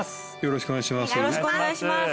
よろしくお願いします